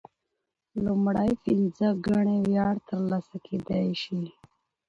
لومړۍ پنځه ګڼې وړیا ترلاسه کیدی شي.